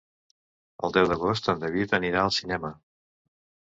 El deu d'agost en David anirà al cinema.